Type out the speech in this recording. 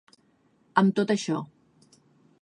Amb tot això.